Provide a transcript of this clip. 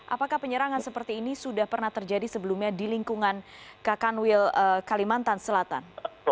apakah penyerangan seperti ini sudah pernah terjadi sebelumnya di lingkungan kakanwil kalimantan selatan